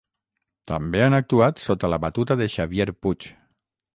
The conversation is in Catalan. També han actuat sota la batuta de Xavier Puig.